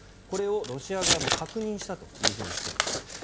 これをロシア側も確認したとしています。